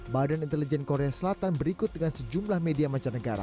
badan intelijen korea selatan berikut dengan sejumlah media mancanegara